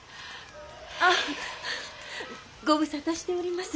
あご無沙汰しております。